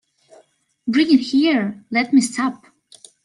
Bring it here! Let me sup!